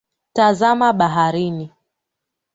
Tazama baharini.